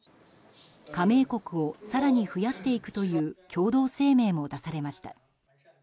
加盟国を更に増やしていくという共同声明も出されました。